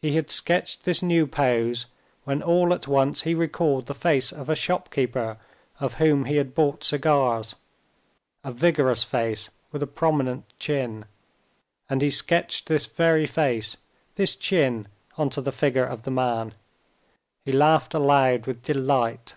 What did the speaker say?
He had sketched this new pose, when all at once he recalled the face of a shopkeeper of whom he had bought cigars, a vigorous face with a prominent chin, and he sketched this very face, this chin on to the figure of the man. He laughed aloud with delight.